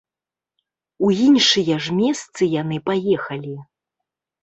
У іншыя ж месцы яны паехалі!